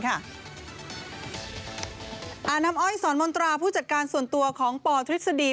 น้ำอ้อยสอนมนตราผู้จัดการส่วนตัวของปทฤษฎี